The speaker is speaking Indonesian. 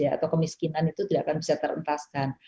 atau kemiskinan itu tidak akan bisa terentaskan